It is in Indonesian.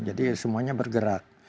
jadi semuanya bergerak